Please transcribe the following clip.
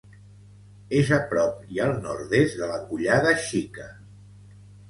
És a prop i al nord-est de la Collada Xica.